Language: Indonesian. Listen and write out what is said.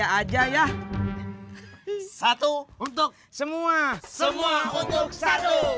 ada penyanyinya ada penyanyinya